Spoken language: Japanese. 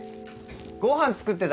ご飯作ってた？